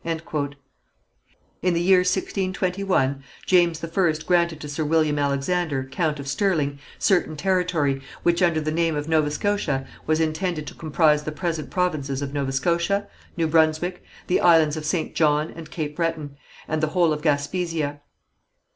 In the year 1621, James I granted to Sir William Alexander, Count of Sterling, certain territory, which under the name of Nova Scotia was intended to comprise the present provinces of Nova Scotia, New Brunswick, the islands of St. John and Cape Breton, and the whole of Gaspesia.